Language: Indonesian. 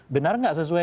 benar nggak sesuai